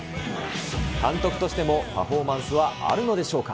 監督としても、パフォーマンスはあるのでしょうか。